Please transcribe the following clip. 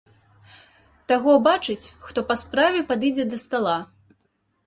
Таго бачыць, хто па справе падыдзе да стала.